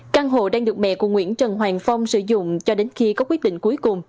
căn hộ đang được mẹ của nguyễn trần hoàng phong sử dụng cho đến khi có quyết định cuối cùng